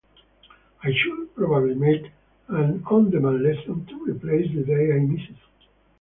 I should probably make an on-demand lesson to replace the day I missed.